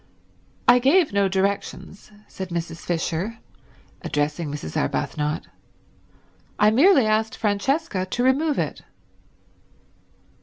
"I gave no directions," said Mrs. Fisher, addressing Mrs. Arbuthnot, "I merely asked Francesca to remove it."